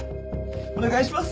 お願いします！